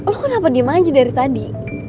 lo kenapa dimanji dari tadi